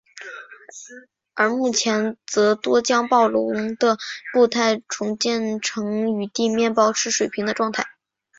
而目前则多将暴龙的步态重建成与地面保持水平的状态。